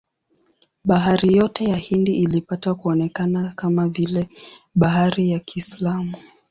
Bahari yote ya Hindi ilipata kuonekana kama vile bahari ya Kiislamu.